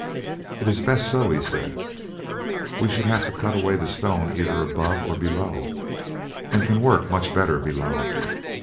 "It is best so," he said; "we should have to cut away the stone either above or below, and can work much better below.